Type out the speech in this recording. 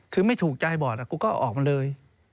คือไม่ถูกใจบอร์ดกูก็ออกมาเลย